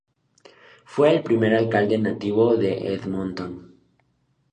Fue el primer alcalde nativo de Edmonton.